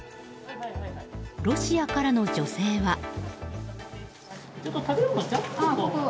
ロシアからの女性は。